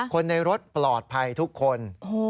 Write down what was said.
คนในรถปลอดภัยทุกคน